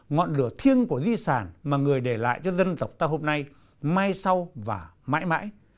ngọn lửa thiêng của di sản mà người để lại cho dân tộc ta hôm nay mai sau và mãi mãi